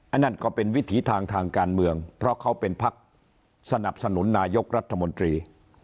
นั่นก็เป็นวิถีทางทางการเมืองเพราะเขาเป็นพักสนับสนุนนายกรัฐมนตรี